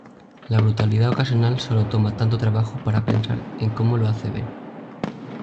La brutalidad ocasional sólo toma tanto trabajo para pensar en como lo hace ver.